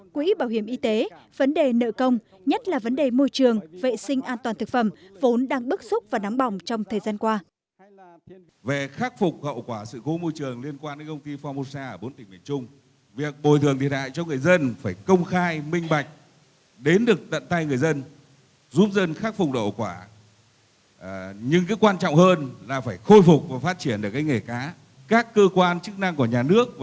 quỹ bảo hiểm y tế vấn đề nợ công nhất là vấn đề môi trường vệ sinh an toàn thực phẩm vốn đang bức xúc và nắm bỏng trong thời gian qua